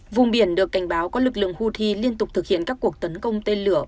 vùng biển được cảnh báo có lực lượng houthi liên tục thực hiện các cuộc tấn công tên lửa